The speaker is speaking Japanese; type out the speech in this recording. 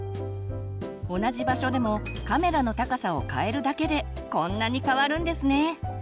同じ場所でもカメラの高さをかえるだけでこんなに変わるんですね。